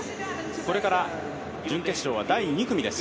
これから準決勝は第２組です。